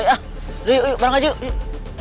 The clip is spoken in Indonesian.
ayo bareng aja yuk